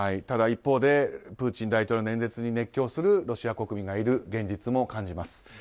ただ、一方でプーチン大統領の演説に熱狂するロシア国民がいる現実も感じます。